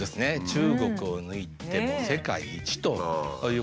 中国を抜いて世界一ということです。